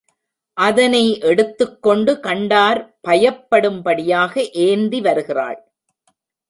அதனை எடுத்துக் கொண்டு கண்டார் பயப்படும்படியாக ஏந்தி வருகிறாள்.